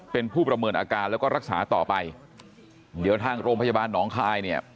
เป็นผู้ประเมินอาการแล้วก็รักษาต่อไปเดี๋ยวทางโรงพยาบาลหนองคายเนี่ย